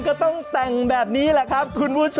ก็ต้องแต่งแบบนี้แหละครับคุณผู้ชม